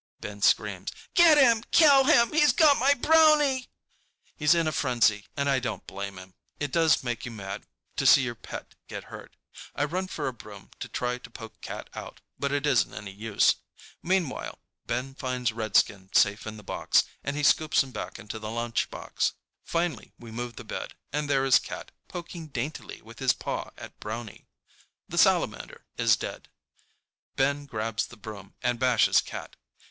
Ben screams, "Get him! Kill him! He's got my Brownie!" He's in a frenzy, and I don't blame him. It does make you mad to see your pet get hurt. I run for a broom to try to poke Cat out, but it isn't any use. Meanwhile, Ben finds Redskin safe in the box, and he scoops him back into the lunchbox. Finally, we move the bed, and there is Cat poking daintily with his paw at Brownie. The salamander is dead. Ben grabs the broom and bashes Cat.